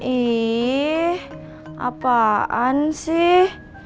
ih apaan sih